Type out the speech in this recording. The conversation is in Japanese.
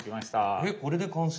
えっこれで完成？